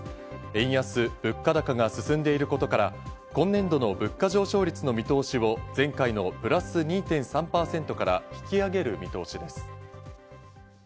円安、物価高が進んでいることから、今年度の物価上昇率の見通しを前回のプラス２．３％から引き上げる見通しです。